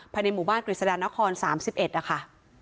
ภายในหมู่บ้านกฤษฎานครสามสิบเอ็ดอ่ะค่ะ